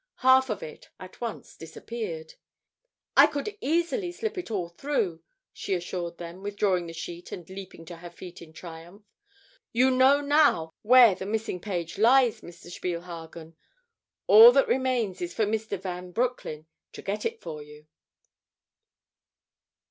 Half of it at once disappeared. "I could easily slip it all through," she assured them, withdrawing the sheet and leaping to her feet in triumph. "You know now where the missing page lies, Mr. Spielhagen. All that remains is for Mr. Van Broecklyn to get it for you."